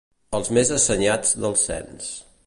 Els més assenyats del cens.